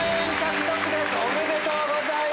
おめでとうございます！